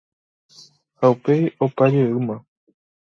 ha upéi opa jeýma